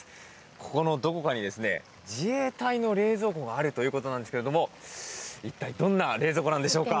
ここのどこかに自衛隊の冷蔵庫があるということなんですけれどもいったいどんな冷蔵庫なんでしょうか？